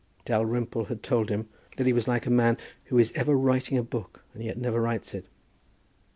Dalrymple had told him that he was like a man who is ever writing a book and yet never writes it.